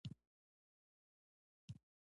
ښه فکر ژوند ته ښکلا ورکوي.